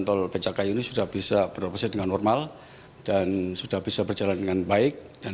tol becakayu ini sudah bisa beroperasi dengan normal dan sudah bisa berjalan dengan baik dan